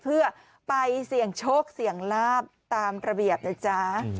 เพื่อไปเสี่ยงโชคเสี่ยงลาบตามระเบียบนะจ๊ะ